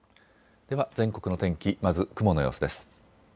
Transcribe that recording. では全国の天気、まず雲の様子です。